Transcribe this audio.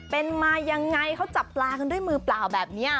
เป็นมายังไงเขาจับปลากันด้วยมือเปล่าแบบนี้